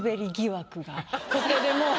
ここでもう。